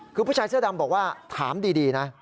คือผู้ชายเสื้อดำบอกว่าถามดีนะ